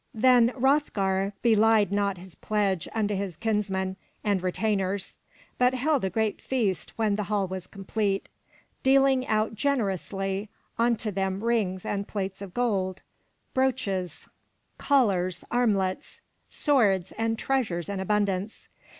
Then Hroth'gar belied not his pledge unto his kinsmen and retainers, but held a great feast when the hall was complete, dealing out generously unto them rings and plates of gold, brooches, collars, armlets, swords and treasures in abundance.